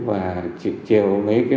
và chiều ấy